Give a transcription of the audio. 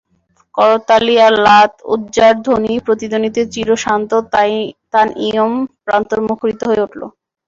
করতালি আর লাত-উযযার ধ্বনি-প্রতিধ্বনিতে চির শান্ত তানঈম প্রান্তর মুখরিত হয়ে উঠল।